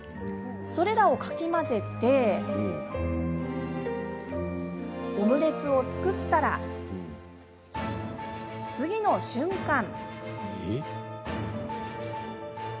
それらをかき混ぜてオムレツを作ったら次の瞬間。